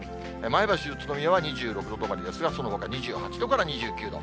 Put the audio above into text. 前橋、宇都宮は２６度止まりですが、そのほか２８度から２９度。